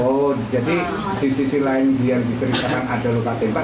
oh jadi di sisi lain yang diterima ada luka tembak